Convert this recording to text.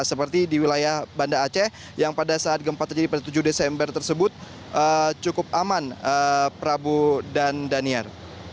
seperti di wilayah banda aceh yang pada saat gempa terjadi pada tujuh desember tersebut cukup aman prabu dan daniar